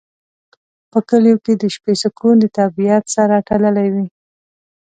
په کلیو کې د شپې سکون د طبیعت سره تړلی وي.